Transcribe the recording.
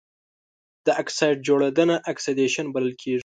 د اکسايډ جوړیدنه اکسیدیشن بلل کیږي.